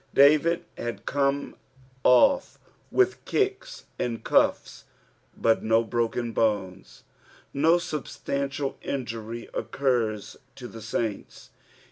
David had coine oS with kicks and cufia, but no broken bones. No substantial injury occurs to the saints.